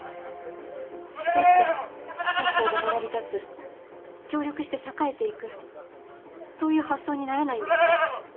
どうして双方が並び立つ協力して栄えて行くそういう発想にならないんですか？